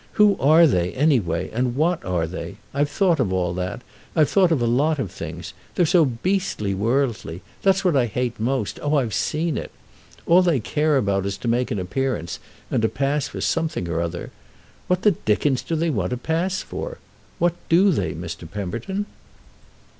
Who are they, any way, and what are they? I've thought of all that—I've thought of a lot of things. They're so beastly worldly. That's what I hate most—oh, I've seen it! All they care about is to make an appearance and to pass for something or other. What the dickens do they want to pass for? What do they, Mr. Pemberton?"